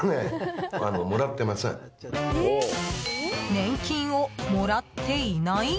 年金をもらっていない？